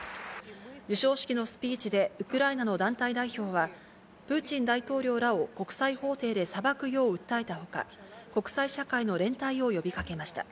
授賞式のスピーチでウクライナの団体代表は、プーチン大統領らを国際法廷で裁くよう訴えたほか、国際社会の連帯を呼びかけました。